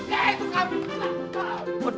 hei itu kambing